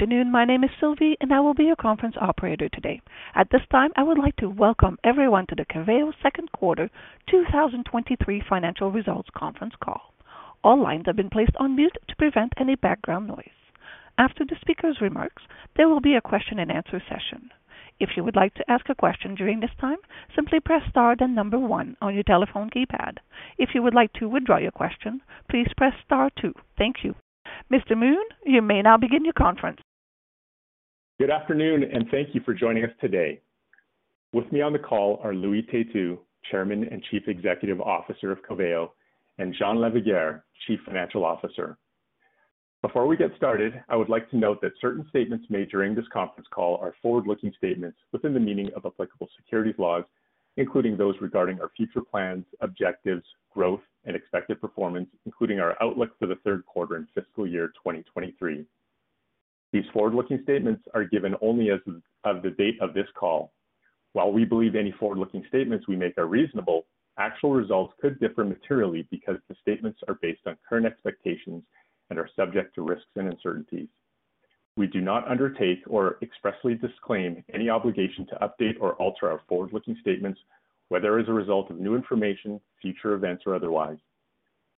Good afternoon. My name is Sylvie, and I will be your conference operator today. At this time, I would like to welcome everyone to the Coveo Second Quarter 2023 Financial Results Conference Call. All lines have been placed on mute to prevent any background noise. After the speaker's remarks, there will be a question and answer session. If you would like to ask a question during this time, simply press star then number one on your telephone keypad. If you would like to withdraw your question, please press star two. Thank you. Mr. Moon, you may now begin your conference. Good afternoon. Thank you for joining us today. With me on the call are Louis Têtu, Chairman and Chief Executive Officer of Coveo, and Jean Lavigueur, Chief Financial Officer. Before we get started, I would like to note that certain statements made during this conference call are forward-looking statements within the meaning of applicable securities laws, including those regarding our future plans, objectives, growth, and expected performance, including our outlook for the third quarter and fiscal year 2023. These forward-looking statements are given only as of the date of this call. While we believe any forward-looking statements we make are reasonable, actual results could differ materially because the statements are based on current expectations and are subject to risks and uncertainties. We do not undertake or expressly disclaim any obligation to update or alter our forward-looking statements, whether as a result of new information, future events, or otherwise.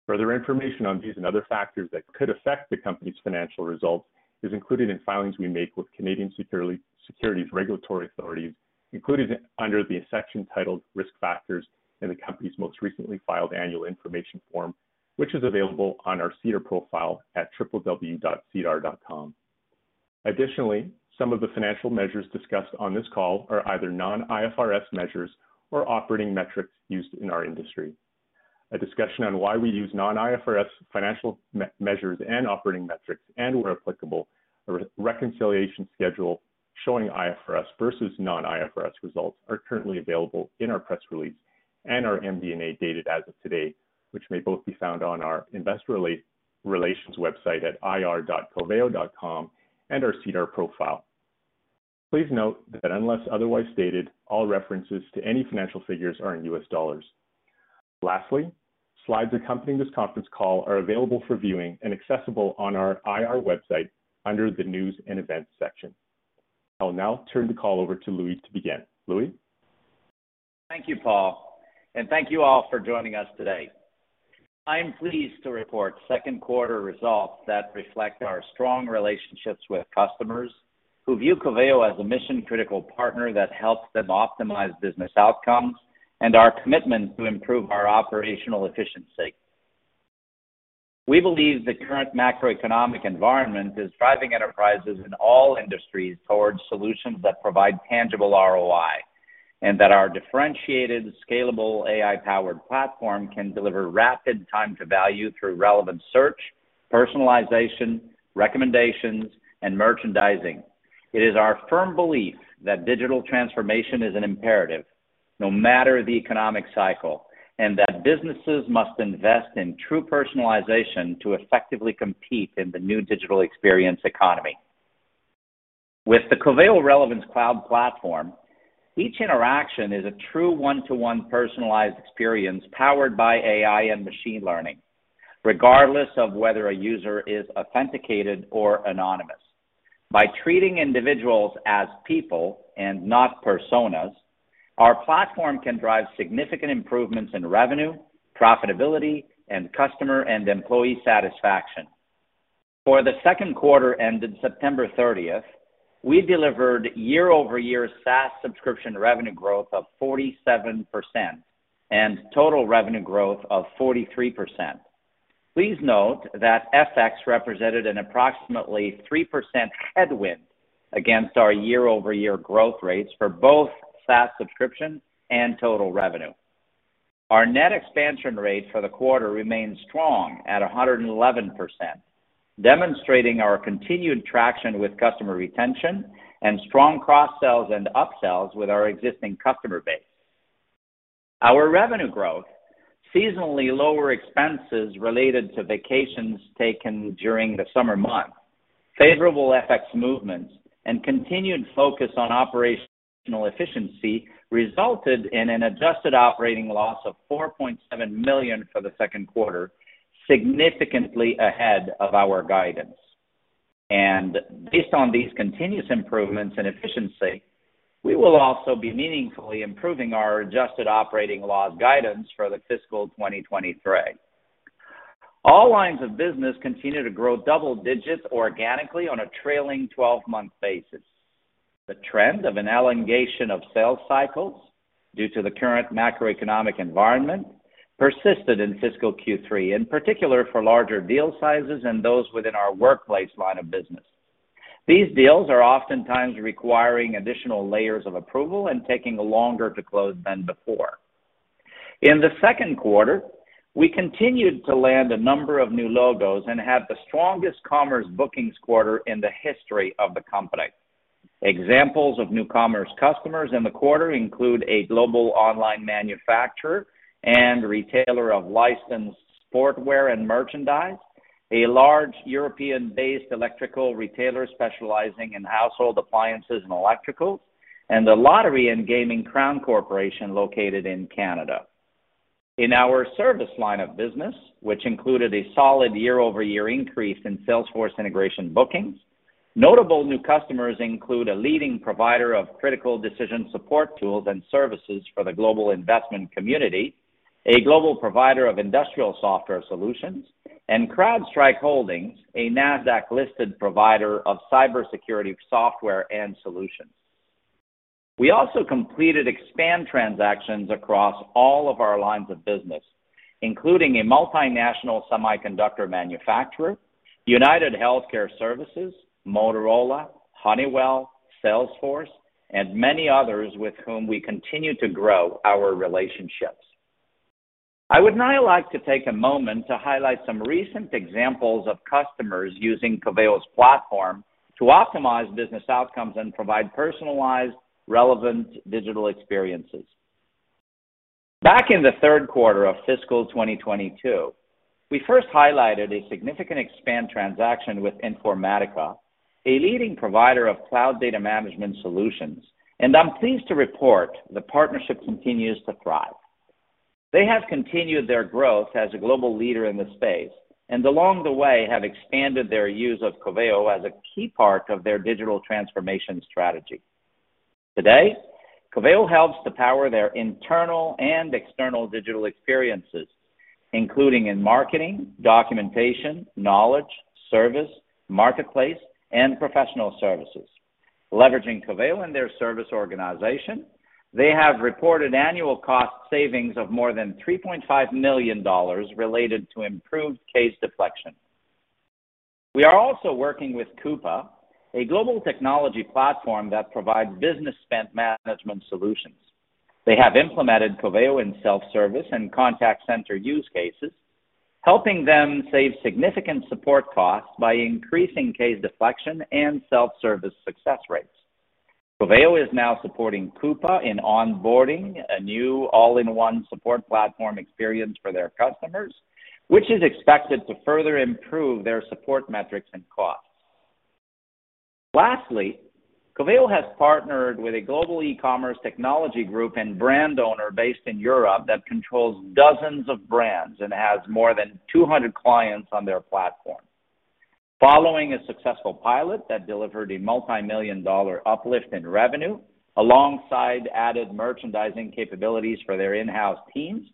Further information on these and other factors that could affect the company's financial results is included in filings we make with Canadian Securities Regulatory Authorities, included under the section titled Risk Factors in the company's most recently filed annual information form, which is available on our SEDAR profile at www.sedar.com. Additionally, some of the financial measures discussed on this call are either non-IFRS measures or operating metrics used in our industry. A discussion on why we use non-IFRS financial measures and operating metrics, and where applicable, a reconciliation schedule showing IFRS versus non-IFRS results are currently available in our press release and our MD&A dated as of today, which may both be found on our investor relations website at ir.coveo.com and our SEDAR profile. Please note that unless otherwise stated, all references to any financial figures are in US dollars. Lastly, slides accompanying this conference call are available for viewing and accessible on our IR website under the News and Events section. I will now turn the call over to Louis to begin. Louis? Thank you, Paul, and thank you all for joining us today. I'm pleased to report second quarter results that reflect our strong relationships with customers who view Coveo as a mission-critical partner that helps them optimize business outcomes and our commitment to improve our operational efficiency. We believe the current macroeconomic environment is driving enterprises in all industries towards solutions that provide tangible ROI, and that our differentiated, scalable, AI-powered platform can deliver rapid time to value through relevant search, personalization, recommendations, and merchandising. It is our firm belief that digital transformation is an imperative, no matter the economic cycle, and that businesses must invest in true personalization to effectively compete in the new digital experience economy. With the Coveo Relevance Cloud platform, each interaction is a true one-to-one personalized experience powered by AI and machine learning, regardless of whether a user is authenticated or anonymous. By treating individuals as people and not personas, our platform can drive significant improvements in revenue, profitability, and customer and employee satisfaction. For the second quarter ended September 30th, we delivered year-over-year SaaS subscription revenue growth of 47% and total revenue growth of 43%. Please note that FX represented an approximately 3% headwind against our year-over-year growth rates for both SaaS subscription and total revenue. Our net expansion rate for the quarter remains strong at 111%, demonstrating our continued traction with customer retention and strong cross-sells and up-sells with our existing customer base. Our revenue growth, seasonally lower expenses related to vacations taken during the summer months, favorable FX movements, and continued focus on operational efficiency resulted in an adjusted operating loss of $4.7 million for the second quarter, significantly ahead of our guidance. Based on these continuous improvements in efficiency, we will also be meaningfully improving our adjusted operating loss guidance for the fiscal 2023. All lines of business continue to grow double digits organically on a trailing 12-month basis. The trend of an elongation of sales cycles due to the current macroeconomic environment persisted in fiscal Q3, in particular for larger deal sizes and those within our workplace line of business. These deals are oftentimes requiring additional layers of approval and taking longer to close than before. In the second quarter, we continued to land a number of new logos and had the strongest commerce bookings quarter in the history of the company. Examples of new commerce customers in the quarter include a global online manufacturer and retailer of licensed sportswear and merchandise, a large European-based electrical retailer specializing in household appliances and electricals, and the lottery and gaming Crown Corporation located in Canada. In our service line of business, which included a solid year-over-year increase in Salesforce integration bookings, notable new customers include a leading provider of critical decision support tools and services for the global investment community, a global provider of industrial software solutions, and CrowdStrike Holdings, a NASDAQ-listed provider of cybersecurity software and solutions. We also completed expand transactions across all of our lines of business, including a multinational semiconductor manufacturer, United HealthCare Services, Motorola, Honeywell, Salesforce, and many others with whom we continue to grow our relationships. I would now like to take a moment to highlight some recent examples of customers using Coveo's platform to optimize business outcomes and provide personalized, relevant digital experiences. Back in the third quarter of fiscal 2022, we first highlighted a significant expand transaction with Informatica, a leading provider of cloud data management solutions. I'm pleased to report the partnership continues to thrive. They have continued their growth as a global leader in the space, and along the way have expanded their use of Coveo as a key part of their digital transformation strategy. Today, Coveo helps to power their internal and external digital experiences, including in marketing, documentation, knowledge, service, marketplace, and professional services. Leveraging Coveo in their service organization, they have reported annual cost savings of more than $3.5 million related to improved case deflection. We are also working with Coupa, a global technology platform that provides business spend management solutions. They have implemented Coveo in self-service and contact center use cases, helping them save significant support costs by increasing case deflection and self-service success rates. Coveo is now supporting Coupa in onboarding a new all-in-one support platform experience for their customers, which is expected to further improve their support metrics and costs. Lastly, Coveo has partnered with a global e-commerce technology group and brand owner based in Europe that controls dozens of brands and has more than 200 clients on their platform. Following a successful pilot that delivered a multimillion-dollar uplift in revenue, alongside added merchandising capabilities for their in-house teams,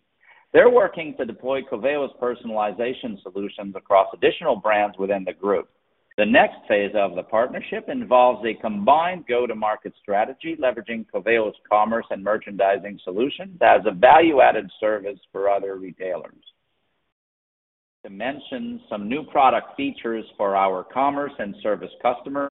they're working to deploy Coveo's personalization solutions across additional brands within the group. The next phase of the partnership involves a combined go-to-market strategy leveraging Coveo's commerce and merchandising solutions as a value-added service for other retailers. To mention some new product features for our commerce and service customers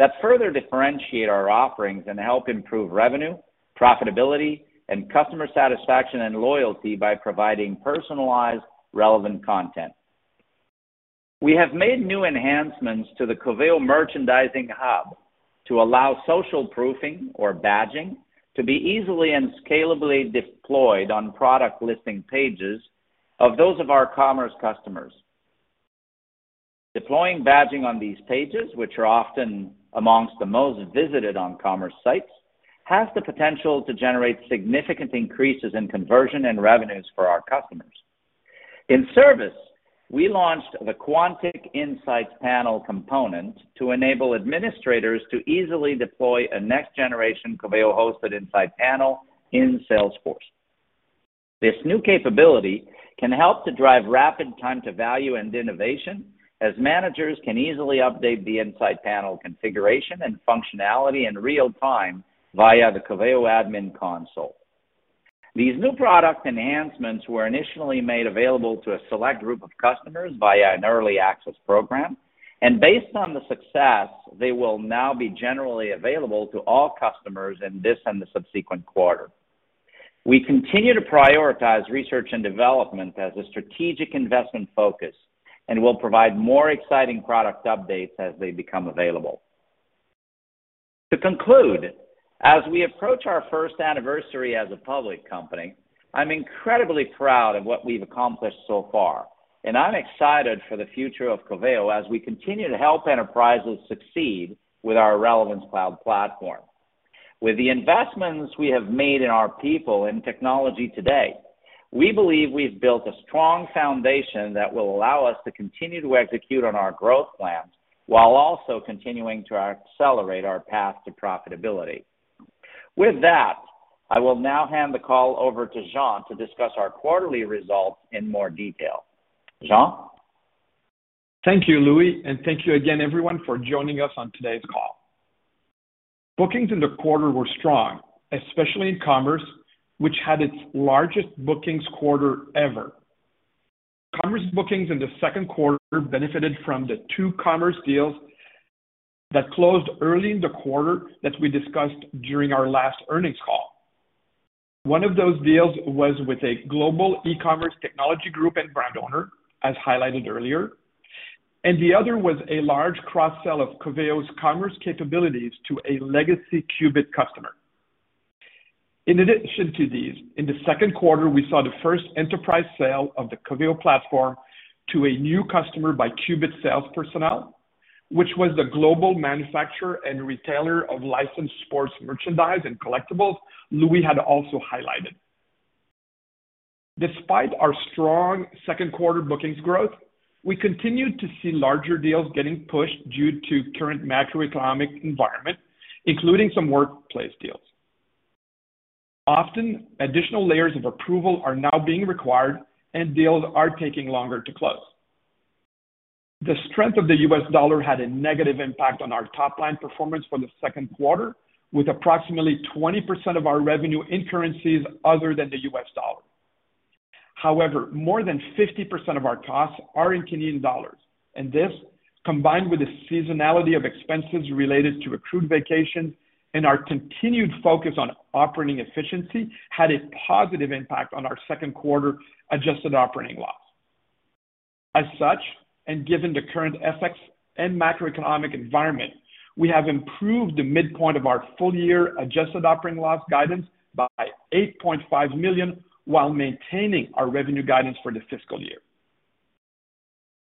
that further differentiate our offerings and help improve revenue, profitability, and customer satisfaction and loyalty by providing personalized, relevant content. We have made new enhancements to the Coveo merchandising hub to allow social proofing or badging to be easily and scalably deployed on product listing pages of those of our commerce customers. Deploying badging on these pages, which are often amongst the most visited on commerce sites, has the potential to generate significant increases in conversion and revenues for our customers. In service, we launched the Quantic Insight Panel component to enable administrators to easily deploy a next-generation Coveo-hosted insight panel in Salesforce. This new capability can help to drive rapid time to value and innovation as managers can easily update the insight panel configuration and functionality in real time via the Coveo admin console. These new product enhancements were initially made available to a select group of customers via an early access program, and based on the success, they will now be generally available to all customers in this and the subsequent quarter. We continue to prioritize research and development as a strategic investment focus and will provide more exciting product updates as they become available. To conclude, as we approach our first anniversary as a public company, I'm incredibly proud of what we've accomplished so far, and I'm excited for the future of Coveo as we continue to help enterprises succeed with our Relevance Cloud platform. With the investments we have made in our people in technology today, we believe we've built a strong foundation that will allow us to continue to execute on our growth plans while also continuing to accelerate our path to profitability. With that, I will now hand the call over to Jean to discuss our quarterly results in more detail. Jean? Thank you, Louis, and thank you again, everyone, for joining us on today's call. Bookings in the quarter were strong, especially in commerce, which had its largest bookings quarter ever. Commerce bookings in the second quarter benefited from the two commerce deals that closed early in the quarter that we discussed during our last earnings call. One of those deals was with a global e-commerce technology group and brand owner, as highlighted earlier, and the other was a large cross-sell of Coveo's commerce capabilities to a legacy Qubit customer. In addition to these, in the second quarter, we saw the first enterprise sale of the Coveo platform to a new customer by Qubit sales personnel which was the global manufacturer and retailer of licensed sports merchandise and collectibles Louis had also highlighted. Despite our strong second quarter bookings growth, we continued to see larger deals getting pushed due to current macroeconomic environment, including some workplace deals. Often, additional layers of approval are now being required, and deals are taking longer to close. The strength of the U.S. dollar had a negative impact on our top-line performance for the second quarter, with approximately 20% of our revenue in currencies other than the U.S. dollar. However, more than 50% of our costs are in Canadian dollars, and this, combined with the seasonality of expenses related to accrued vacation and our continued focus on operating efficiency, had a positive impact on our second quarter adjusted operating loss. As such, and given the current FX and macroeconomic environment, we have improved the midpoint of our full-year adjusted operating loss guidance by $8.5 million while maintaining our revenue guidance for the fiscal year.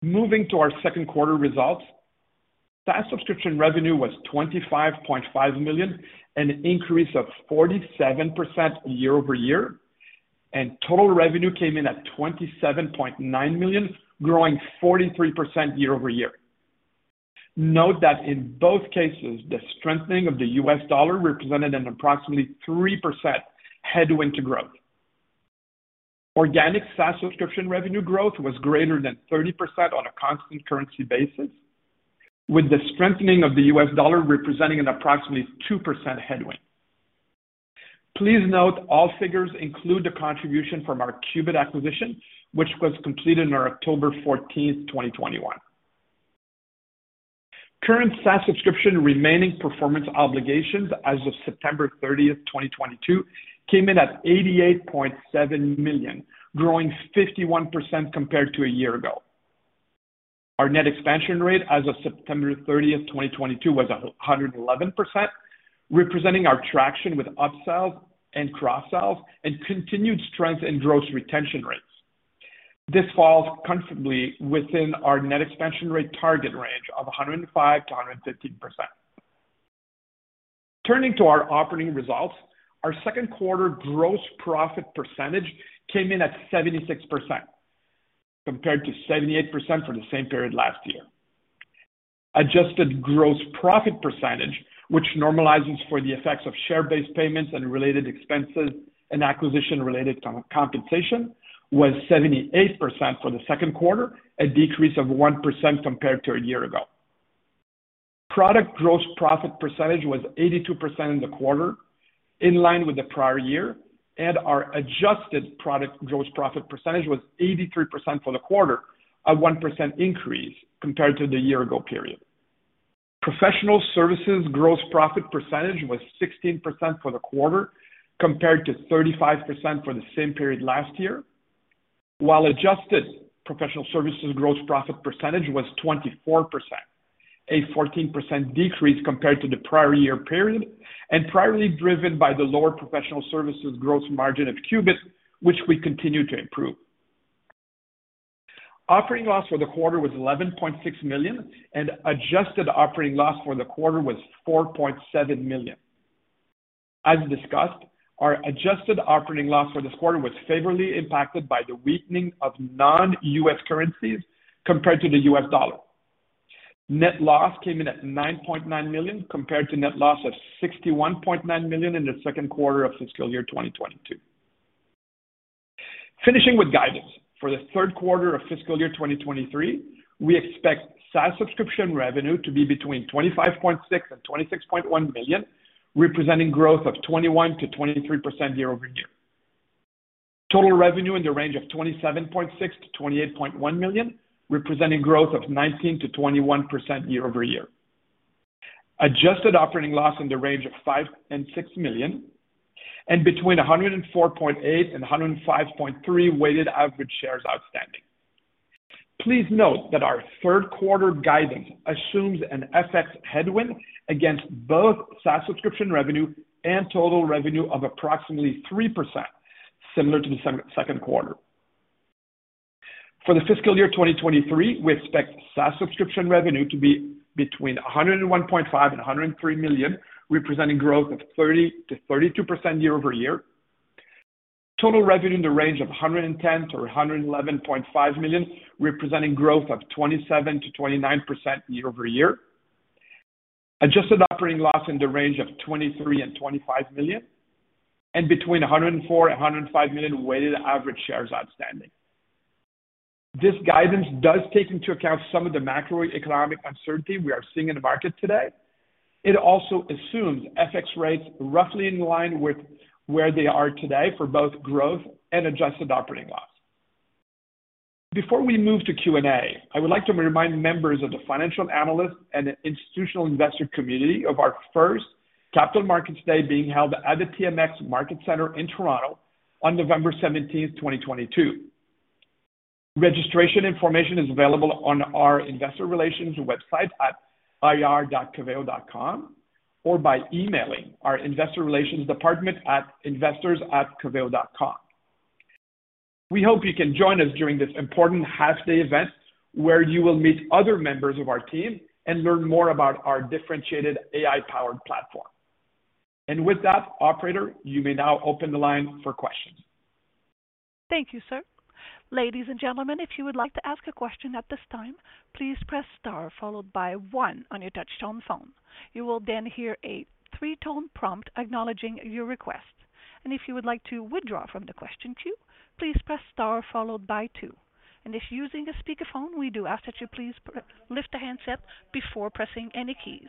Moving to our second quarter results, SaaS subscription revenue was $25.5 million, an increase of 47% year-over-year, and total revenue came in at $27.9 million, growing 43% year-over-year. Note that in both cases, the strengthening of the U.S. dollar represented an approximately 3% headwind to growth. Organic SaaS subscription revenue growth was greater than 30% on a constant currency basis, with the strengthening of the U.S. dollar representing an approximately 2% headwind. Please note all figures include the contribution from our Qubit acquisition, which was completed on October 14, 2021. Current SaaS subscription remaining performance obligations as of September 30, 2022, came in at $88.7 million, growing 51% compared to a year ago. Our net expansion rate as of September 30, 2022, was 111%, representing our traction with upsells and cross-sells and continued strength in gross retention rates. This falls comfortably within our net expansion rate target range of 105%-115%. Turning to our operating results, our second quarter gross profit percentage came in at 76%, compared to 78% for the same period last year. Adjusted gross profit percentage, which normalizes for the effects of share-based payments and related expenses and acquisition-related compensation, was 78% for the second quarter, a decrease of 1% compared to a year ago. Product gross profit percentage was 82% in the quarter, in line with the prior year, and our adjusted product gross profit percentage was 83% for the quarter, a 1% increase compared to the year-ago period. Professional services gross profit percentage was 16% for the quarter, compared to 35% for the same period last year, while adjusted professional services gross profit percentage was 24%, a 14% decrease compared to the prior year period and primarily driven by the lower professional services gross margin of Qubit, which we continue to improve. Operating loss for the quarter was $11.6 million, and adjusted operating loss for the quarter was $4.7 million. As discussed, our adjusted operating loss for the quarter was favorably impacted by the weakening of non-U.S. currencies compared to the U.S. dollar. Net loss came in at $9.9 million, compared to net loss of $61.9 million in the second quarter of fiscal year 2022. Finishing with guidance. For the third quarter of fiscal year 2023, we expect SaaS subscription revenue to be between $25.6 million and $26.1 million, representing growth of 21%-23% year-over-year. Total revenue in the range of $27.6 million-$28.1 million, representing growth of 19%-21% year-over-year. Adjusted operating loss in the range of between $5 million and $6 million, and between 104.8 and 105.3 weighted average shares outstanding. Please note that our third quarter guidance assumes an FX headwind against both SaaS subscription revenue and total revenue of approximately 3%, similar to the second quarter. For the fiscal year 2023, we expect SaaS subscription revenue to be between $101.5 million and $103 million, representing growth of 30%-32% year-over-year. Total revenue in the range of between $110 million and $111.5 million, representing growth of 27%-29% year-over-year. Adjusted operating loss in the range of between $23 million and $25 million, and between 104 million and 105 million weighted average shares outstanding. This guidance does take into account some of the macroeconomic uncertainty we are seeing in the market today. It also assumes FX rates roughly in line with where they are today for both growth and adjusted operating loss. Before we move to Q&A, I would like to remind members of the financial analyst and institutional investor community of our first Capital Markets Day being held at the TMX Market Center in Toronto on November 17th, 2022. Registration information is available on our investor relations website at ir.coveo.com or by emailing our investor relations department at investors@coveo.com. We hope you can join us during this important half-day event, where you will meet other members of our team and learn more about our differentiated AI-powered platform. With that, operator, you may now open the line for questions. Thank you, sir. Ladies and gentlemen, if you would like to ask a question at this time, please press star followed by one on your touch-tone phone. You will then hear a three-tone prompt acknowledging your request. If you would like to withdraw from the question queue, please press star followed by two. If using a speakerphone, we do ask that you please lift the handset before pressing any keys.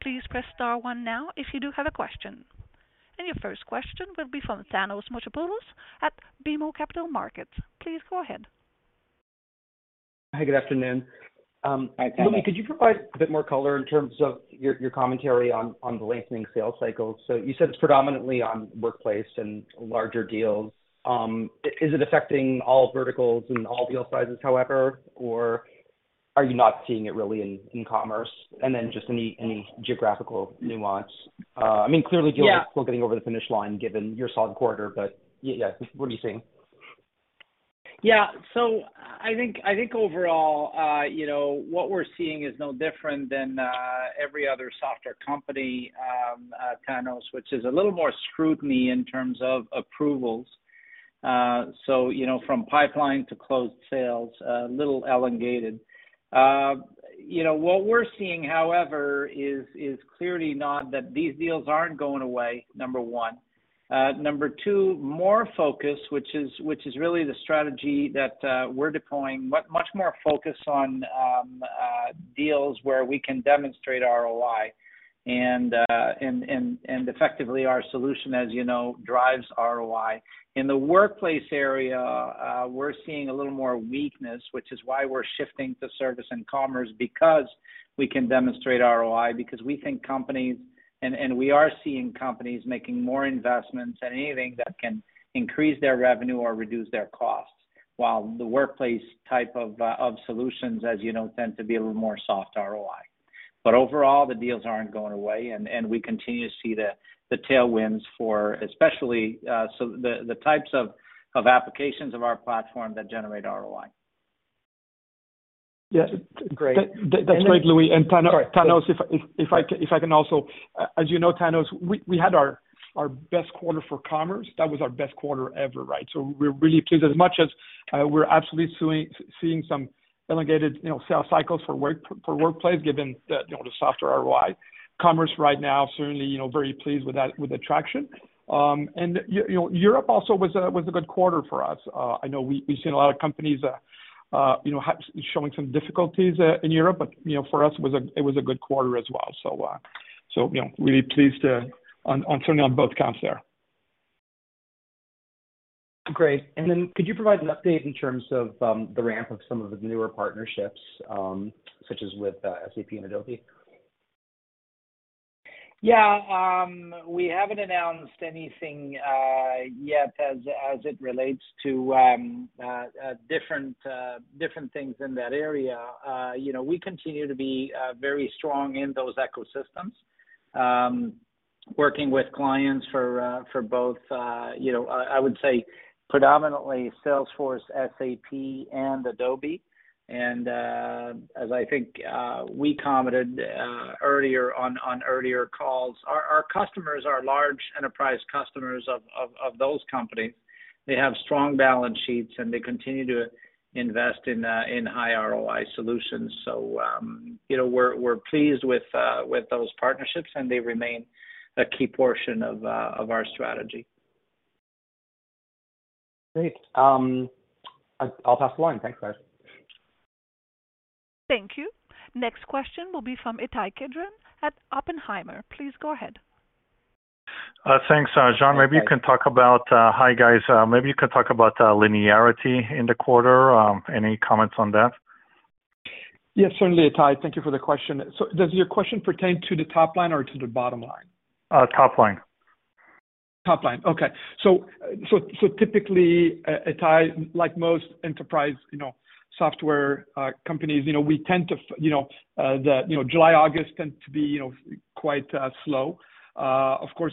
Please press star one now if you do have a question. Your first question will be from Thanos Moschopoulos at BMO Capital Markets. Please go ahead. Hi, good afternoon. Hi, Thanos. Louis, could you provide a bit more color in terms of your commentary on the lengthening sales cycle? You said it's predominantly on Workplace and larger deals. Is it affecting all verticals and all deal sizes, however? Are you not seeing it really in commerce? Just any geographical nuance. Yeah deals are still getting over the finish line, given your solid quarter. What are you seeing? I think overall, what we're seeing is no different than every other software company, Thanos, which is a little more scrutiny in terms of approvals. From pipeline to closed sales, a little elongated. What we're seeing, however, is clearly not that these deals aren't going away, number 1. Number 2, more focus, which is really the strategy that we're deploying, much more focus on deals where we can demonstrate ROI, and effectively, our solution, as you know, drives ROI. In the Workplace area, we're seeing a little more weakness, which is why we're shifting to service and commerce, because we can demonstrate ROI, because we think companies, and we are seeing companies making more investments in anything that can increase their revenue or reduce their costs. While the Workplace type of solutions, as you know, tend to be a little more soft ROI. Overall, the deals aren't going away, and we continue to see the tailwinds for especially the types of applications of our platform that generate ROI. Yeah. Great. That's great, Louis. Thanos. Sorry if I can also As you know, Thanos, we had our best quarter for commerce. That was our best quarter ever. We're really pleased. As much as we're absolutely seeing some elongated sales cycles for Workplace, given the softer ROI, commerce right now, certainly, very pleased with the traction. Europe also was a good quarter for us. I know we've seen a lot of companies showing some difficulties in Europe, but for us, it was a good quarter as well. Really pleased on certainly on both counts there. Great. Then could you provide an update in terms of the ramp of some of the newer partnerships, such as with SAP and Adobe? Yeah. We haven't announced anything yet as it relates to different things in that area. We continue to be very strong in those ecosystems, working with clients for both, I would say predominantly Salesforce, SAP, and Adobe. As I think we commented on earlier calls, our customers are large enterprise customers of those companies. They have strong balance sheets, and they continue to invest in high ROI solutions. We're pleased with those partnerships, and they remain a key portion of our strategy. Great. I'll pass the line. Thanks, guys. Thank you. Next question will be from Ittai Kidron at Oppenheimer. Please go ahead. Thanks. Jean, Hi, guys. Maybe you could talk about linearity in the quarter. Any comments on that? Yeah, certainly, Ittai. Thank you for the question. Does your question pertain to the top line or to the bottom line? Top line. Top line, okay. Typically, Ittai, like most enterprise software companies, July, August tend to be quite slow. Of course,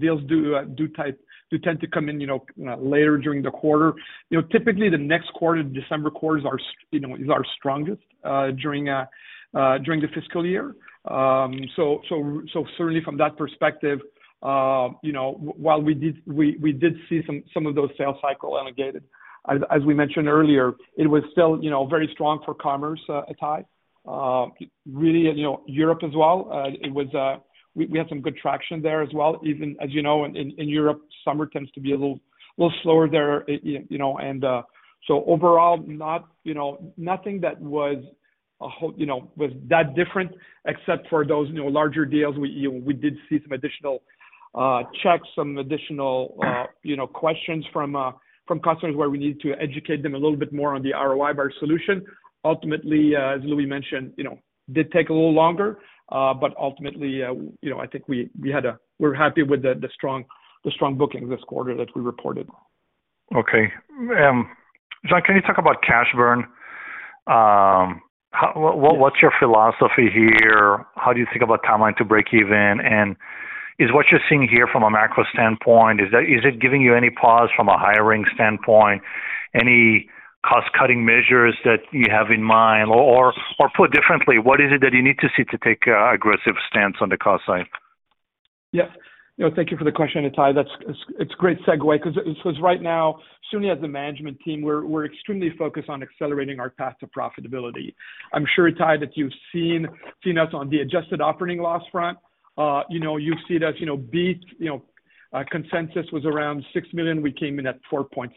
deals do tend to come in later during the quarter. Typically, the next quarter, the December quarter, is our strongest during the fiscal year. Certainly from that perspective, while we did see some of those sales cycle elongated as we mentioned earlier, it was still very strong for commerce, Ittai. Really, Europe as well. We had some good traction there as well. Even as you know, in Europe, summer tends to be a little slower there. Overall, nothing that was that different except for those larger deals. We did see some additional checks, some additional questions from customers where we needed to educate them a little bit more on the ROI of our solution. Ultimately, as Louis mentioned, did take a little longer, ultimately, I think we're happy with the strong bookings this quarter that we reported. Okay. Jean, can you talk about cash burn? What's your philosophy here? How do you think about timeline to break even? Is what you're seeing here from a macro standpoint, is it giving you any pause from a hiring standpoint, any cost-cutting measures that you have in mind? Put differently, what is it that you need to see to take aggressive stance on the cost side? Yeah. Thank you for the question, Ittai. It's great segue because right now, certainly as a management team, we're extremely focused on accelerating our path to profitability. I'm sure, Itai, that you've seen us on the adjusted operating loss front. You see that beat consensus was around $6 million. We came in at $4.7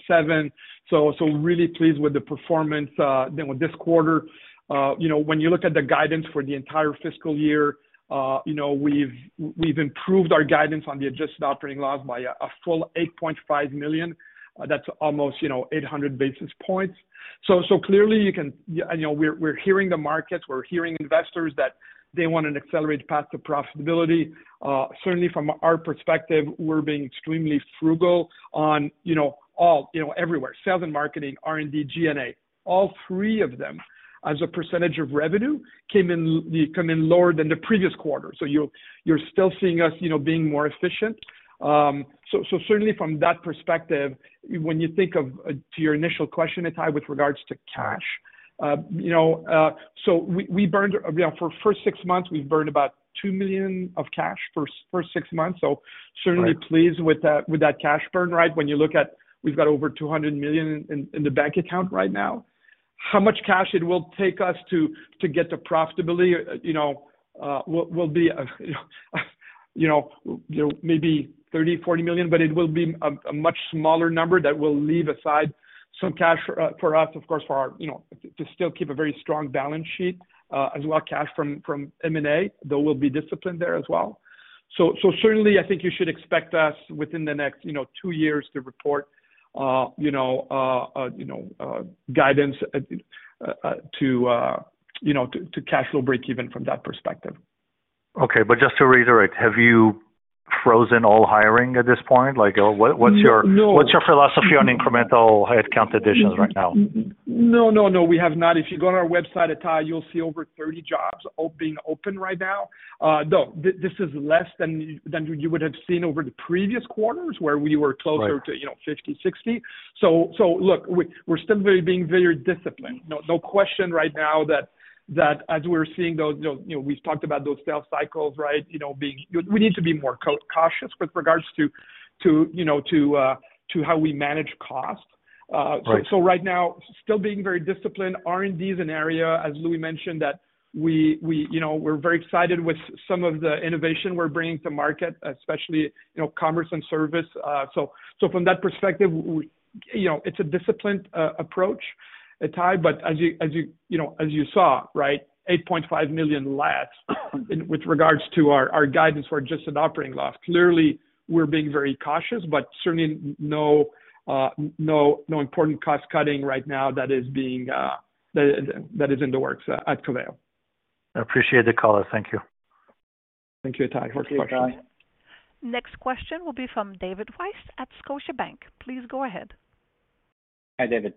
million. Really pleased with the performance with this quarter. When you look at the guidance for the entire fiscal year, we've improved our guidance on the adjusted operating loss by a full $8.5 million. That's almost 800 basis points. Clearly, we're hearing the markets, we're hearing investors that they want an accelerated path to profitability. Certainly from our perspective, we're being extremely frugal on everywhere, sales and marketing, R&D, G&A. All three of them as a percentage of revenue come in lower than the previous quarter. You're still seeing us being more efficient. Certainly from that perspective, when you think of to your initial question, Itai, with regards to cash. For first six months, we've burned about 2 million of cash for first six months, certainly pleased with that cash burn. When you look at, we've got over 200 million in the bank account right now. How much cash it will take us to get to profitability will be maybe 30 million-40 million, but it will be a much smaller number that will leave aside some cash for us, of course, to still keep a very strong balance sheet, as well cash from M&A, though we'll be disciplined there as well. Certainly, I think you should expect us within the next two years to report guidance to cash flow break even from that perspective. Okay. Just to reiterate, have you frozen all hiring at this point? No What's your philosophy on incremental headcount additions right now? No, we have not. If you go on our website, Itai, you'll see over 30 jobs being open right now. This is less than you would have seen over the previous quarters where we were. Right to 50, 60. Look, we're still being very disciplined. No question right now that as we're seeing those, we've talked about those sales cycles. We need to be more cautious with regards to how we manage cost. Right. Right now, still being very disciplined. R&D is an area, as Louis mentioned, that we're very excited with some of the innovation we're bringing to market, especially commerce and service. From that perspective, it's a disciplined approach, Itai, but as you saw, $8.5 million less with regards to our guidance for adjusted operating loss. Clearly, we're being very cautious, but certainly no important cost-cutting right now that is in the works at Coveo. I appreciate the call. Thank you. Thank you, Itai, for the question. Thank you, Itai. Next question will be from David Weiss at Scotiabank. Please go ahead. Hi, David.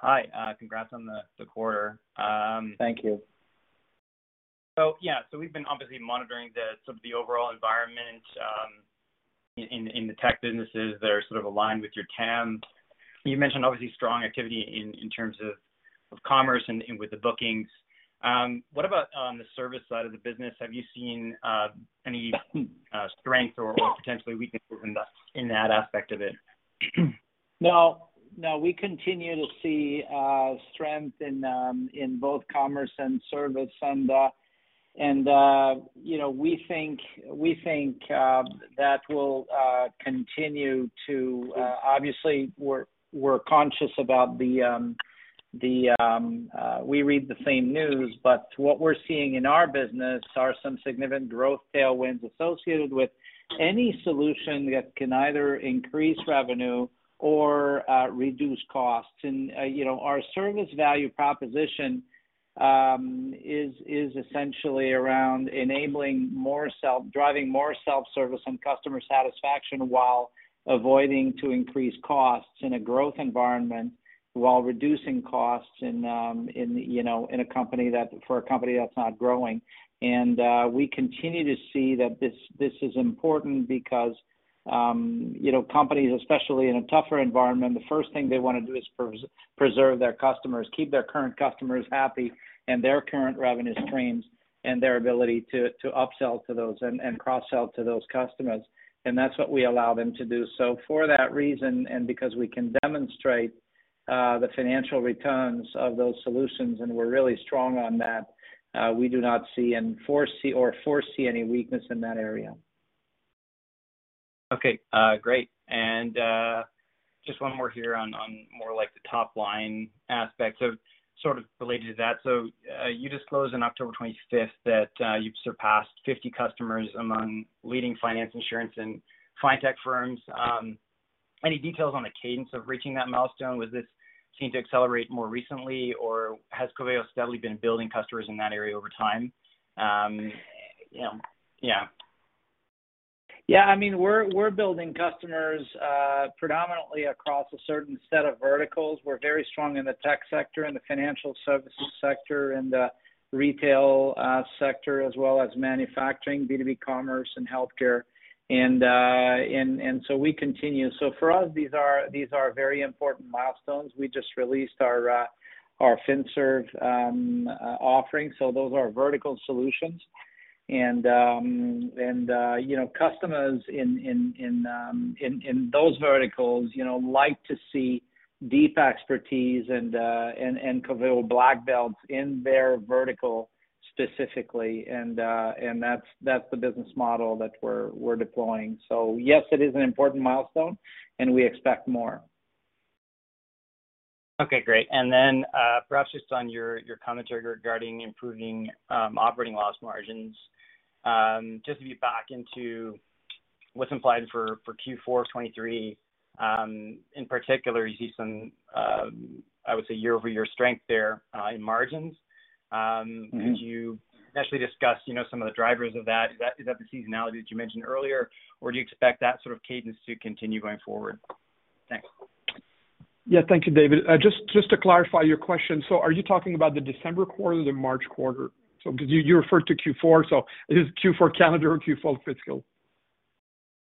Hi. Congrats on the quarter. Thank you. Yeah. We've been obviously monitoring the sort of the overall environment in the tech businesses that are sort of aligned with your TAM. You mentioned obviously strong activity in terms of commerce and with the bookings. What about on the service side of the business? Have you seen any strength or potentially weakness in that aspect of it? No. We continue to see strength in both commerce and service, and we think that will continue. Obviously, we're conscious about the. We read the same news, but what we're seeing in our business are some significant growth tailwinds associated with any solution that can either increase revenue or reduce costs. Our service value proposition is essentially around enabling more self-driving, more self-service, and customer satisfaction, while avoiding to increase costs in a growth environment while reducing costs for a company that's not growing. We continue to see that this is important because companies, especially in a tougher environment, the first thing they want to do is preserve their customers, keep their current customers happy, and their current revenue streams, and their ability to upsell to those and cross-sell to those customers. That's what we allow them to do. For that reason, and because we can demonstrate the financial returns of those solutions, and we're really strong on that, we do not see or foresee any weakness in that area. Okay. Great. Just one more here on more like the top-line aspect, so sort of related to that. You disclosed on October 25th that you've surpassed 50 customers among leading finance, insurance, and fintech firms. Any details on the cadence of reaching that milestone? Was this seem to accelerate more recently, or has Coveo steadily been building customers in that area over time? Yeah. Yeah, we're building customers predominantly across a certain set of verticals. We're very strong in the tech sector, in the financial services sector, in the retail sector, as well as manufacturing, B2B commerce, and healthcare. We continue. For us, these are very important milestones. We just released our FinServ offering. Those are vertical solutions. Customers in those verticals like to see deep expertise and Coveo black belts in their vertical specifically. That's the business model that we're deploying. Yes, it is an important milestone, and we expect more. Okay, great. Perhaps just on your commentary regarding improving operating loss margins, just to be back into what's implied for Q4 2023, in particular, you see some, I would say, year-over-year strength there in margins. Could you actually discuss some of the drivers of that? Is that the seasonality that you mentioned earlier, or do you expect that sort of cadence to continue going forward? Thanks. Yeah. Thank you, David. Just to clarify your question, are you talking about the December quarter or the March quarter? Because you referred to Q4, is Q4 calendar or Q4 fiscal?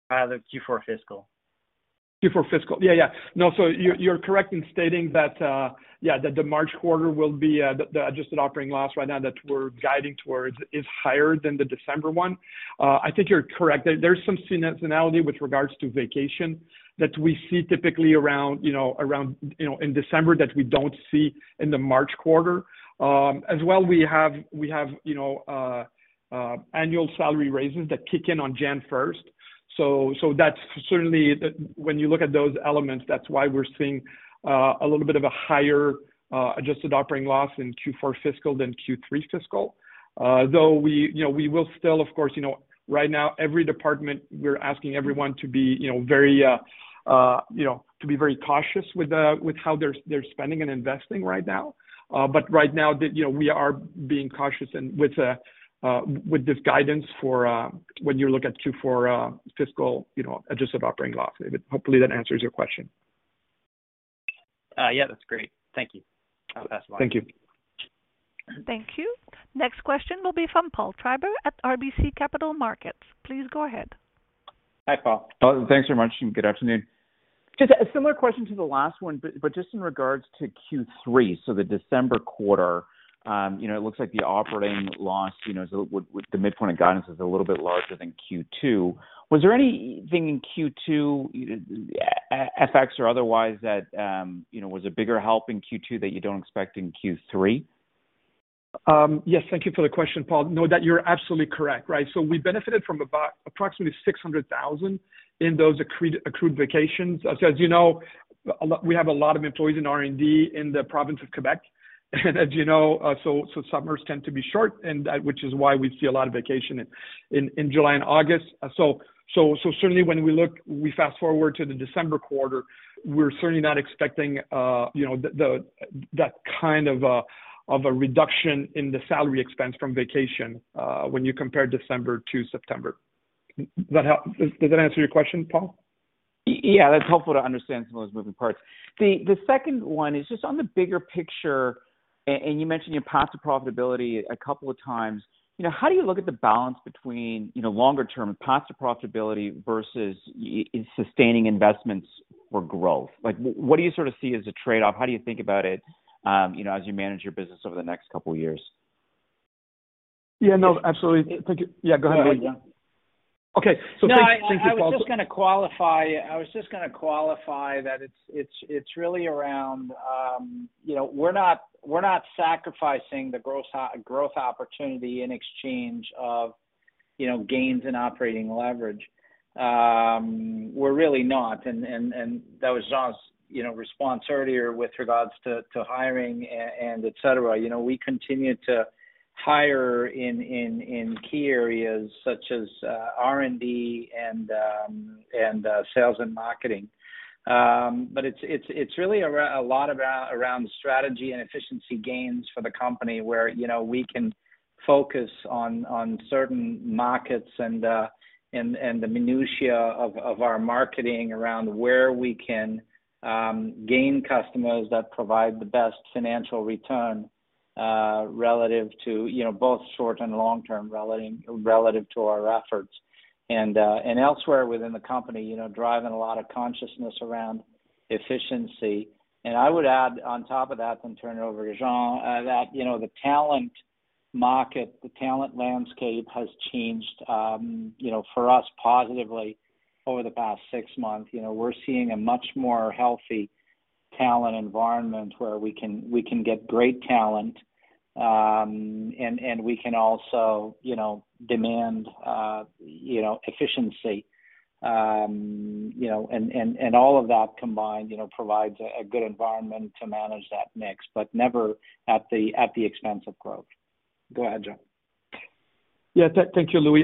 The Q4 fiscal. Q4 fiscal. Yeah. No, you're correct in stating that the adjusted operating loss right now that we're guiding towards is higher than the December one. I think you're correct. There's some seasonality with regards to vacation that we see typically in December that we don't see in the March quarter. As well, we have annual salary raises that kick in on January 1st. That's certainly, when you look at those elements, that's why we're seeing a little bit of a higher adjusted operating loss in Q4 fiscal than Q3 fiscal. Though we will still, of course, right now, every department, we're asking everyone to be very cautious with how they're spending and investing right now. Right now, we are being cautious with this guidance for when you look at Q4 fiscal adjusted operating loss. David, hopefully that answers your question. Yeah, that's great. Thank you. I'll pass along. Thank you. Thank you. Next question will be from Paul Treiber at RBC Capital Markets. Please go ahead. Hi, Paul. Paul, thanks very much, and good afternoon. Just a similar question to the last one, but just in regards to Q3, so the December quarter. It looks like the operating loss, with the midpoint of guidance, is a little bit larger than Q2. Was there anything in Q2, FX or otherwise, that was a bigger help in Q2 that you don't expect in Q3? Yes, thank you for the question, Paul Treiber. No, you're absolutely correct. We benefited from about approximately $600,000 in those accrued vacations. As you know, we have a lot of employees in R&D in the province of Quebec. As you know, so summers tend to be short, which is why we see a lot of vacation in July and August. Certainly when we fast-forward to the December quarter, we're certainly not expecting that kind of a reduction in the salary expense from vacation when you compare December to September. Does that answer your question, Paul Treiber? That's helpful to understand some of those moving parts. The second one is just on the bigger picture, you mentioned your path to profitability a couple of times. How do you look at the balance between longer-term path to profitability versus sustaining investments for growth? What do you sort of see as a trade-off? How do you think about it as you manage your business over the next couple of years? No, absolutely. Thank you. Go ahead, Jean. Thank you, Paul Treiber- No, I was just going to qualify that it's really around we're not sacrificing the growth opportunity in exchange of gains in operating leverage. We're really not, that was Jean's response earlier with regards to hiring, et cetera. We continue to hire in key areas such as R&D and sales and marketing. It's really a lot around strategy and efficiency gains for the company, where we can focus on certain markets and the minutiae of our marketing around where we can gain customers that provide the best financial return relative to both short and long-term, relative to our efforts. Elsewhere within the company, driving a lot of consciousness around efficiency. I would add on top of that, turn it over to Jean, that the talent market, the talent landscape, has changed, for us, positively over the past six months. We're seeing a much more healthy talent environment where we can get great talent, and we can also demand efficiency. All of that combined provides a good environment to manage that mix, but never at the expense of growth. Go ahead, Jean. Yeah. Thank you, Louis.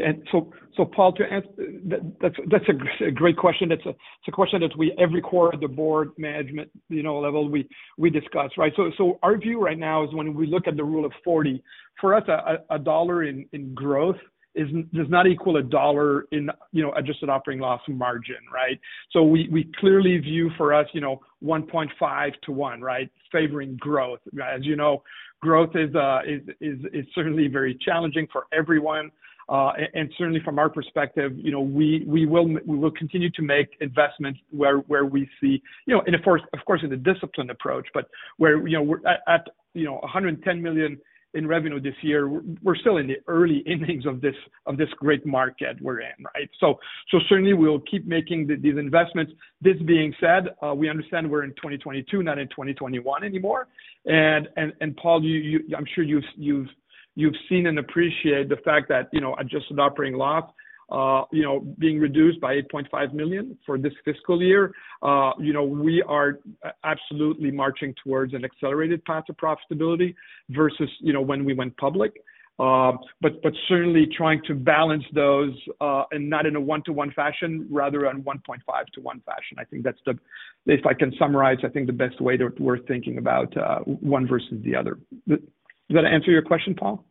Paul, that's a great question. It's a question that every quarter, the board, management level, we discuss, right? Our view right now is when we look at the Rule of 40, for us, $1 in growth does not equal $1 in adjusted operating loss margin, right? We clearly view, for us, 1.5 to 1, right, favoring growth. As you know, growth is certainly very challenging for everyone. Certainly, from our perspective, we will continue to make investments where we see And of course, with a disciplined approach, but at $110 million in revenue this year, we're still in the early innings of this great market we're in, right? Certainly, we'll keep making these investments. This being said, we understand we're in 2022, not in 2021 anymore. Paul, I'm sure you've seen and appreciate the fact that adjusted operating loss being reduced by $8.5 million for this fiscal year. We are absolutely marching towards an accelerated path to profitability versus when we went public. Certainly trying to balance those, and not in a 1-to-1 fashion, rather in 1.5 to 1 fashion. If I can summarize, I think we're thinking about one versus the other. Does that answer your question, Paul?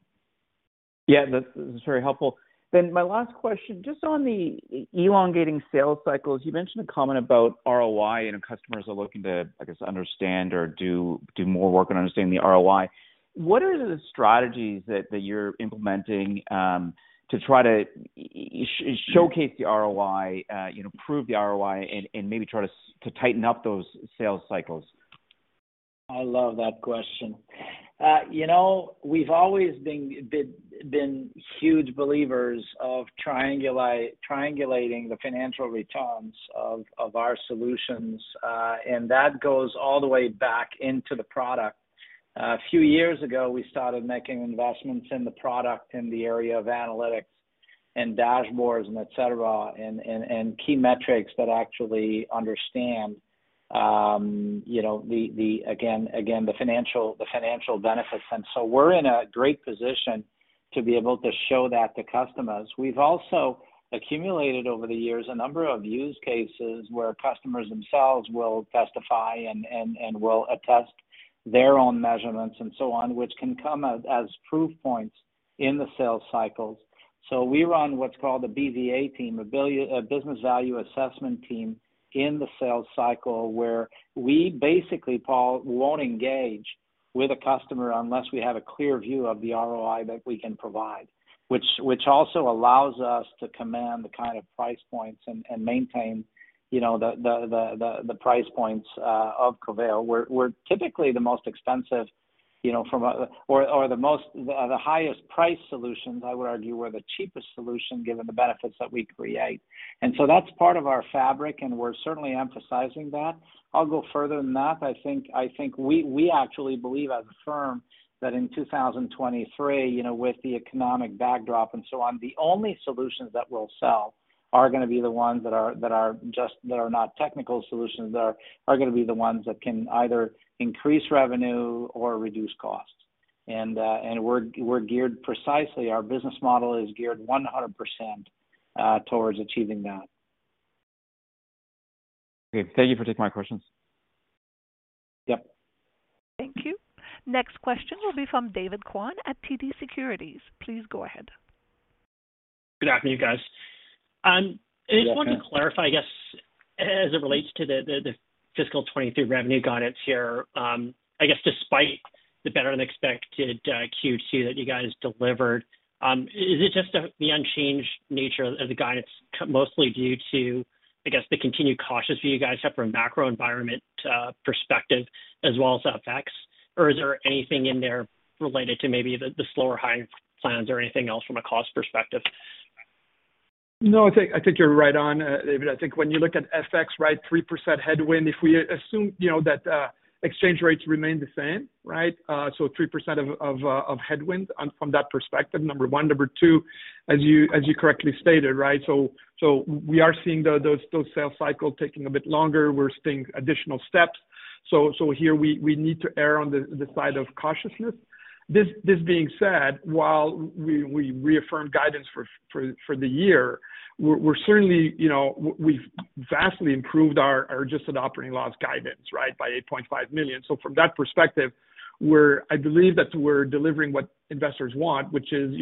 Yeah. That's very helpful. My last question, just on the elongating sales cycles, you mentioned a comment about ROI, and customers are looking to, I guess, understand or do more work in understanding the ROI. What are the strategies that you're implementing to try to showcase the ROI, prove the ROI, and maybe try to tighten up those sales cycles? I love that question. We've always been huge believers of triangulating the financial returns of our solutions. That goes all the way back into the product. A few years ago, we started making investments in the product in the area of analytics and dashboards, et cetera, and key metrics that actually understand the financial benefits. We're in a great position to be able to show that to customers. We've also accumulated, over the years, a number of use cases where customers themselves will testify and will attest their own measurements and so on, which can come as proof points in the sales cycles. We run what's called a BVA team, a business value assessment team, in the sales cycle, where we basically, Paul, won't engage with a customer unless we have a clear view of the ROI that we can provide, which also allows us to command the kind of price points and maintain the price points of Coveo. We're typically the most expensive or the highest-priced solutions. I would argue we're the cheapest solution given the benefits that we create. That's part of our fabric, and we're certainly emphasizing that. I'll go further than that. I think we actually believe as a firm that in 2023, with the economic backdrop and so on, the only solutions that we'll sell are going to be the ones that are not technical solutions, that are going to be the ones that can either increase revenue or reduce costs. We're geared precisely, our business model is geared 100% towards achieving that. Okay. Thank you for taking my questions. Yep. Thank you. Next question will be from David Kwan at TD Securities. Please go ahead. Good afternoon, guys. Good afternoon. I just wanted to clarify, I guess, as it relates to the fiscal 2023 revenue guidance here. I guess despite the better-than-expected Q2 that you guys delivered, is it just the unchanged nature of the guidance mostly due to, I guess, the continued cautious view you guys have from a macro environment perspective as well as the effects? Or is there anything in there related to maybe the slower hiring plans or anything else from a cost perspective? No, I think you're right on, David. I think when you look at FX, 3% headwind, if we assume that exchange rates remain the same. 3% of headwind from that perspective, number one. Number two, as you correctly stated, we are seeing those sales cycles taking a bit longer. We're seeing additional steps. Here we need to err on the side of cautiousness. This being said, while we reaffirmed guidance for the year, we've vastly improved our adjusted operating loss guidance by $8.5 million. From that perspective, I believe that we're delivering what investors want, which is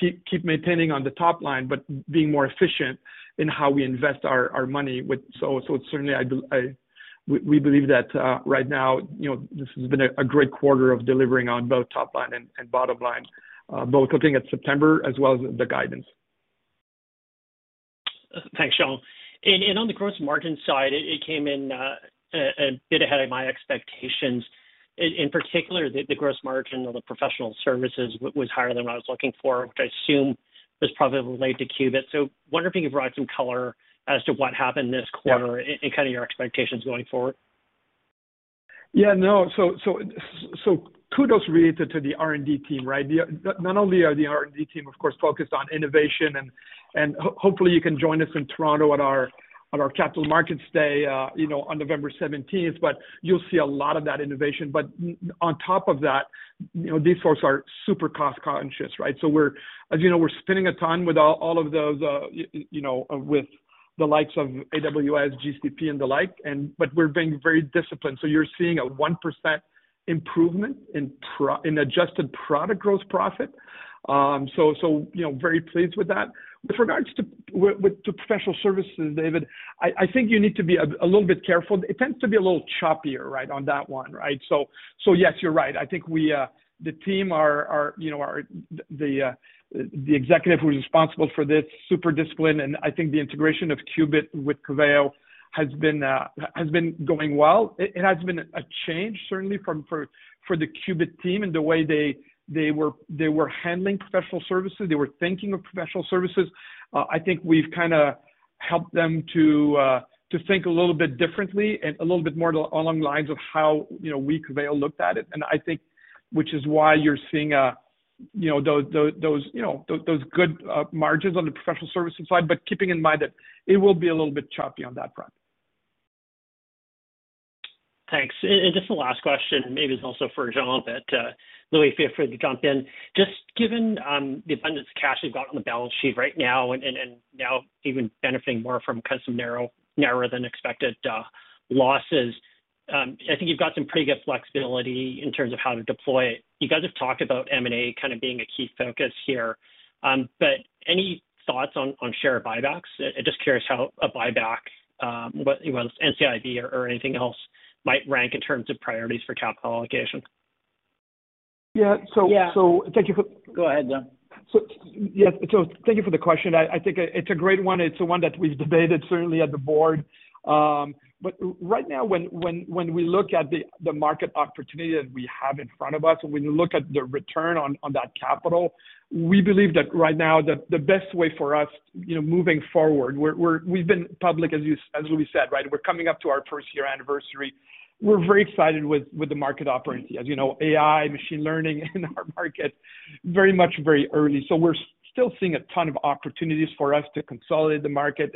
keep maintaining on the top line, but being more efficient in how we invest our money. Certainly, we believe that right now, this has been a great quarter of delivering on both top line and bottom line, both looking at September as well as the guidance. Thanks, Jean. On the gross margin side, it came in a bit ahead of my expectations. In particular, the gross margin on the professional services was higher than what I was looking for, which I assume was probably related to Qubit. Wonder if you could provide some color as to what happened this quarter and kind of your expectations going forward. Yeah, no. Kudos really to the R&D team. Not only are the R&D team, of course, focused on innovation, and hopefully you can join us in Toronto at our Capital Markets Day on November 17th, but you'll see a lot of that innovation. On top of that, these folks are super cost-conscious, right? As you know, we're spending a ton with all of those- The likes of AWS, GCP, and the like, but we're being very disciplined. You're seeing a 1% improvement in adjusted product gross profit. Very pleased with that. With regards to professional services, David, I think you need to be a little bit careful. It tends to be a little choppier on that one. Yes, you're right. I think the team, the executive who's responsible for this, super disciplined, and I think the integration of Qubit with Coveo has been going well. It has been a change, certainly, for the Qubit team and the way they were handling professional services, they were thinking of professional services. I think we've kind of helped them to think a little bit differently and a little bit more along the lines of how we Coveo looked at it, and I think which is why you're seeing those good margins on the professional services side, but keeping in mind that it will be a little bit choppy on that front. Thanks. Just the last question, maybe it's also for Jean. Louis feel free to jump in. Just given the abundance of cash you've got on the balance sheet right now, and now even benefiting more from kind of some narrower than expected losses, I think you've got some pretty good flexibility in terms of how to deploy it. You guys have talked about M&A kind of being a key focus here. Any thoughts on share buybacks? Just curious how a buyback, whether it's NCIB or anything else, might rank in terms of priorities for capital allocation. Yeah. Yeah thank you for- Go ahead, Jean. Yes. Thank you for the question. I think it's a great one. It's one that we've debated certainly at the board. Right now, when we look at the market opportunity that we have in front of us, when you look at the return on that capital, we believe that right now the best way for us, moving forward, we've been public, as Louis said. We're coming up to our first-year anniversary. We're very excited with the market opportunity. As you know, AI, machine learning in our market, very much very early. We're still seeing a ton of opportunities for us to consolidate the market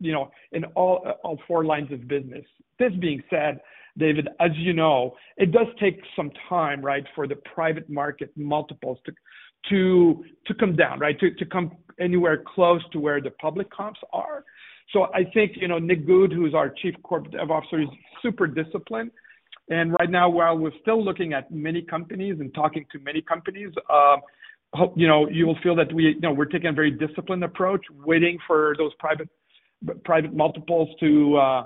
in all four lines of business. This being said, David, as you know, it does take some time for the private market multiples to come down, to come anywhere close to where the public comps are. I think, Nick Goode, who's our chief corporate dev officer, he's super disciplined. Right now, while we're still looking at many companies and talking to many companies, you will feel that we're taking a very disciplined approach, waiting for those private multiples to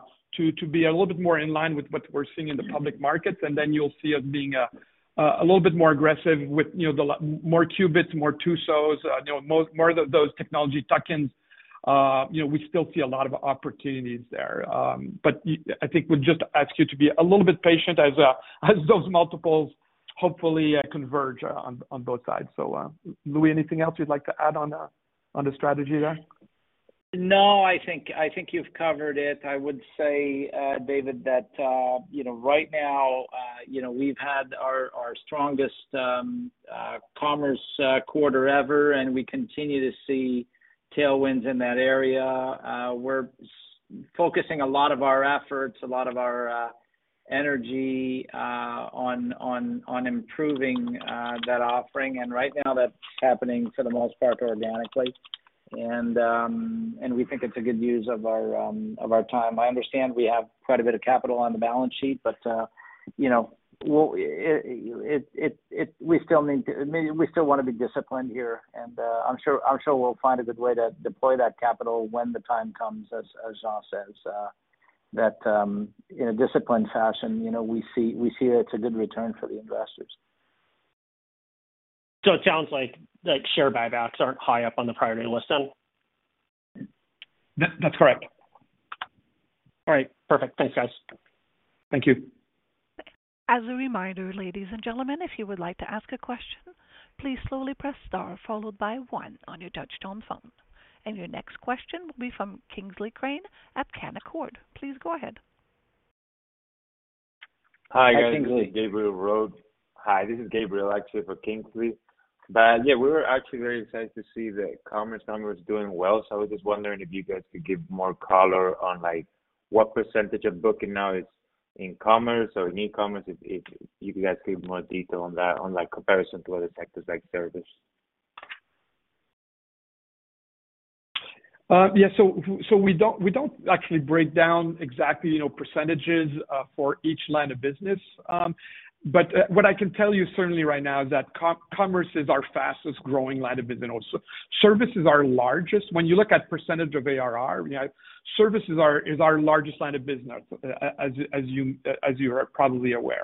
be a little bit more in line with what we're seeing in the public markets. Then you'll see us being a little bit more aggressive with more Qubits, more Toosos, more of those technology tuck-ins. We still see a lot of opportunities there. I think we'd just ask you to be a little bit patient as those multiples hopefully converge on both sides. Louis, anything else you'd like to add on the strategy there? No, I think you've covered it. I would say, David, that right now, we've had our strongest commerce quarter ever, and we continue to see tailwinds in that area. We're focusing a lot of our efforts, a lot of our energy on improving that offering. Right now that's happening for the most part organically. We think it's a good use of our time. I understand we have quite a bit of capital on the balance sheet, we still want to be disciplined here, and I'm sure we'll find a good way to deploy that capital when the time comes, as Jean says, that in a disciplined fashion we see it's a good return for the investors. It sounds like share buybacks aren't high up on the priority list then? That's correct. All right, perfect. Thanks, guys. Thank you. As a reminder, ladies and gentlemen, if you would like to ask a question, please slowly press star followed by one on your touchtone phone. Your next question will be from Kingsley Crane at Canaccord Genuity. Please go ahead. Hi, guys. Hi, Kingsley. This is Gabriel Roade. Hi, this is Gabriel actually for Kingsley. Yeah, we were actually very excited to see the commerce numbers doing well. I was just wondering if you guys could give more color on what percentage of booking now is in commerce or in e-commerce, if you guys could give more detail on that, on comparison to other sectors like service. Yeah. We don't actually break down exactly percentages for each line of business. What I can tell you certainly right now is that commerce is our fastest-growing line of business. Also service is our largest. When you look at percentage of ARR, services is our largest line of business, as you are probably aware.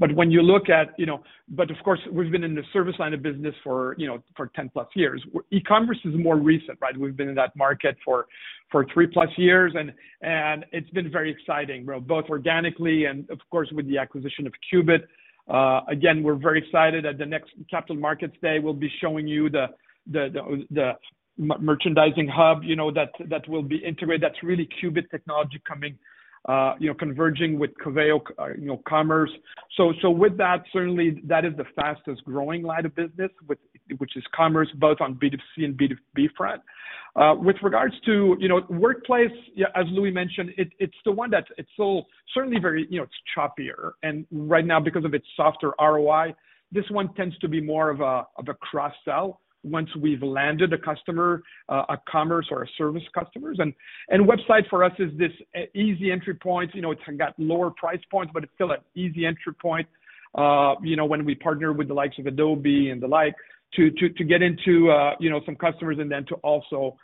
Of course, we've been in the service line of business for 10+ years. E-commerce is more recent. We've been in that market for three+ years, and it's been very exciting, both organically and of course with the acquisition of Qubit. Again, we're very excited at the next Capital Markets Day, we'll be showing you the merchandising hub that will be integrated. That's really Qubit technology converging with Coveo commerce. With that, certainly that is the fastest-growing line of business, which is commerce, both on B2C and B2B front. With regards to Workplace, as Louis mentioned, it's the one that's certainly. It's choppier. Right now, because of its softer ROI, this one tends to be more of a cross-sell once we've landed a customer, a commerce or a service customers. Website for us is this easy entry point. It's got lower price points, but it's still an easy entry point, when we partner with the likes of Adobe and the like to get into some customers and then to also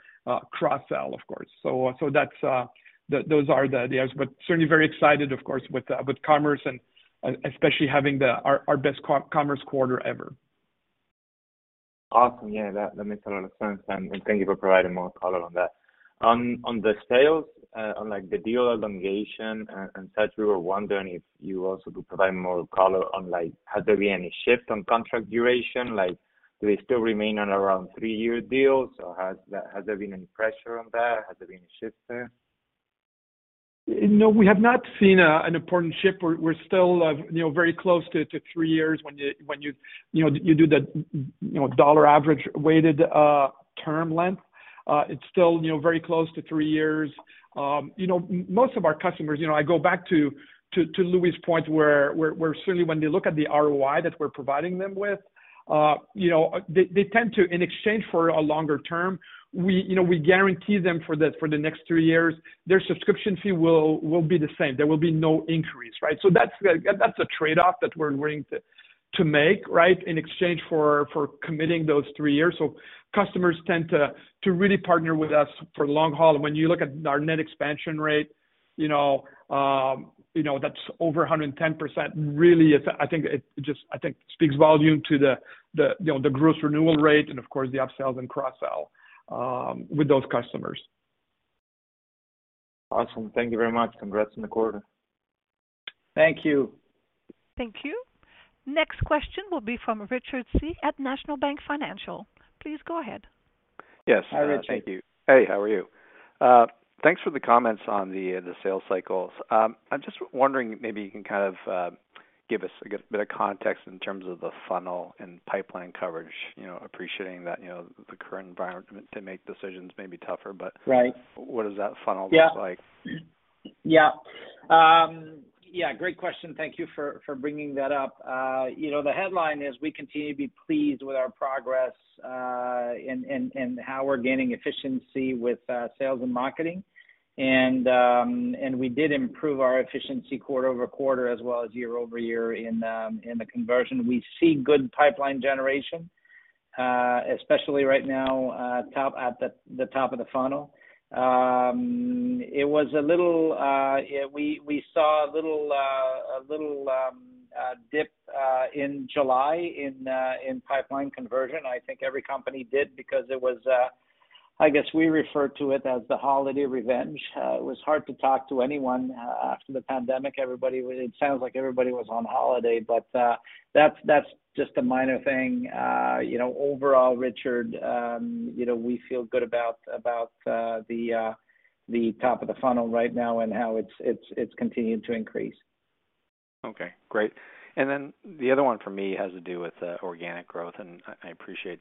cross-sell, of course. Those are the ideas. Certainly very excited, of course, with commerce and especially having our best commerce quarter ever. Awesome. Yeah, that makes a lot of sense. Thank you for providing more color on that. On the sales, on the deal elongation and such, we were wondering if you also could provide more color on, has there been any shift on contract duration? Do they still remain on around 3-year deals, or has there been any pressure on that? Has there been a shift there? No, we have not seen an important shift. We're still very close to 3 years. When you do the dollar-average weighted term length, it's still very close to 3 years. Most of our customers, I go back to Louis' point, where certainly when they look at the ROI that we're providing them with, they tend to, in exchange for a longer term, we guarantee them for the next 3 years, their subscription fee will be the same. There will be no increase, right? That's a trade-off that we're willing to make in exchange for committing those 3 years. Customers tend to really partner with us for the long haul. When you look at our net expansion rate, that's over 110%. Really, I think it just speaks volume to the gross renewal rate and of course, the up-sells and cross-sell with those customers. Awesome. Thank you very much. Congrats on the quarter. Thank you. Thank you. Next question will be from Richard Tse at National Bank Financial. Please go ahead. Yes. Hi, Richard. Thank you. Hey, how are you? Thanks for the comments on the sales cycles. I'm just wondering, maybe you can give us a bit of context in terms of the funnel and pipeline coverage, appreciating that the current environment to make decisions may be tougher. Right What does that funnel look like? Yeah. Great question. Thank you for bringing that up. The headline is we continue to be pleased with our progress, and how we're gaining efficiency with sales and marketing. We did improve our efficiency quarter-over-quarter, as well as year-over-year in the conversion. We see good pipeline generation, especially right now, at the top of the funnel. We saw a little dip in July in pipeline conversion. I think every company did because it was, I guess we refer to it as the holiday revenge. It was hard to talk to anyone after the pandemic. It sounds like everybody was on holiday. That's just a minor thing. Overall, Richard, we feel good about the top of the funnel right now and how it's continued to increase. Okay, great. The other one for me has to do with organic growth, I appreciate,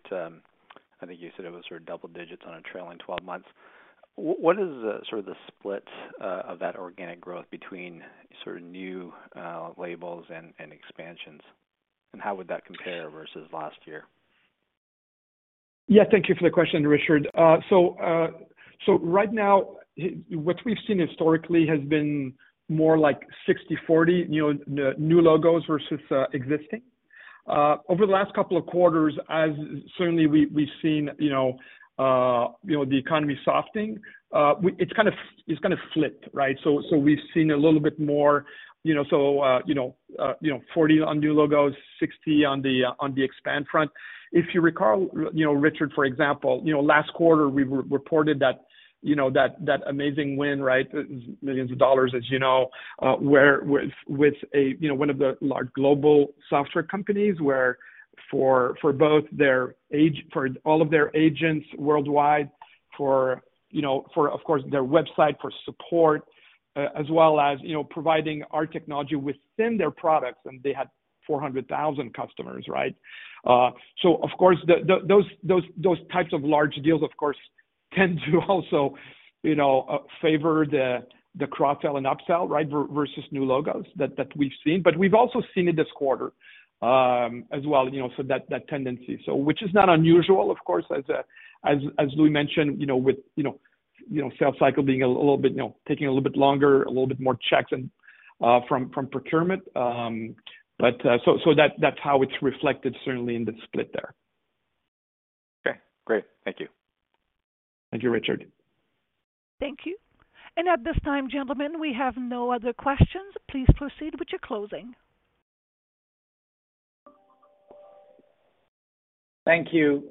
I think you said it was double digits on a trailing 12 months. What is the split of that organic growth between new labels and expansions? How would that compare versus last year? Thank you for the question, Richard. Right now, what we've seen historically has been more like 60/40, new logos versus existing. Over the last couple of quarters, as certainly we've seen the economy softening, it's kind of flipped, right? We've seen a little bit more, 40 on new logos, 60 on the expand front. If you recall, Richard, for example, last quarter, we reported that amazing win, right? millions dollars, as you know, with one of the large global software companies where for all of their agents worldwide, of course, their website for support, as well as providing our technology within their products, and they had 400,000 customers, right? Of course, those types of large deals, of course, tend to also favor the cross-sell and up-sell versus new logos that we've seen. We've also seen it this quarter as well, that tendency. Which is not unusual, of course, as Louis mentioned, with sales cycle taking a little bit longer, a little bit more checks from procurement. That's how it's reflected, certainly in the split there. Okay, great. Thank you. Thank you, Richard. Thank you. At this time, gentlemen, we have no other questions. Please proceed with your closing. Thank you.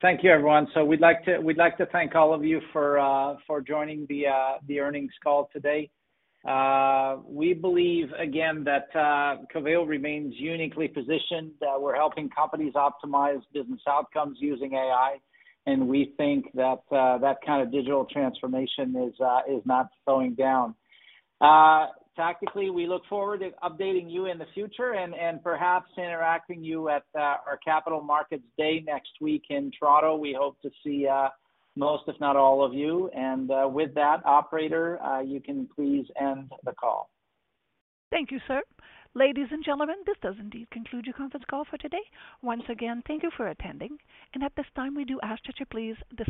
Thank you, everyone. We'd like to thank all of you for joining the earnings call today. We believe, again, that Coveo remains uniquely positioned, that we're helping companies optimize business outcomes using AI, and we think that that kind of digital transformation is not slowing down. Tactically, we look forward to updating you in the future and perhaps interacting you at our Capital Markets Day next week in Toronto. We hope to see most, if not all of you. With that, operator, you can please end the call. Thank you, sir. Ladies and gentlemen, this does indeed conclude your conference call for today. Once again, thank you for attending. At this time, we do ask that you please dis-